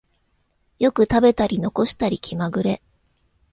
よく食べたり残したり気まぐれ